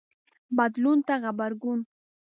بدلون ته غبرګون